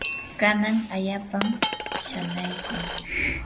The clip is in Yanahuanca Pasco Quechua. kan allaapam shanaykun.